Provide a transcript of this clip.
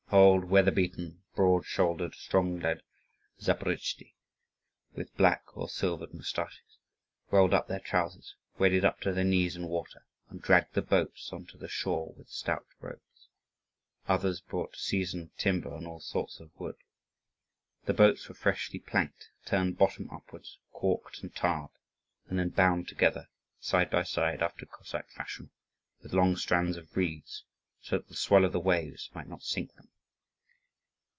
Old, weatherbeaten, broad shouldered, strong legged Zaporozhtzi, with black or silvered moustaches, rolled up their trousers, waded up to their knees in water, and dragged the boats on to the shore with stout ropes; others brought seasoned timber and all sorts of wood. The boats were freshly planked, turned bottom upwards, caulked and tarred, and then bound together side by side after Cossack fashion, with long strands of reeds, so that the swell of the waves might not sink them.